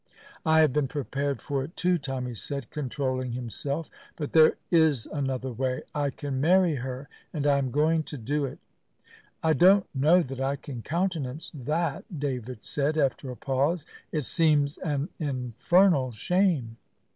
"I have been prepared for it, too," Tommy said, controlling himself; "but there is another way: I can marry her, and I am going to do it." "I don't know that I can countenance that," David said, after a pause. "It seems an infernal shame."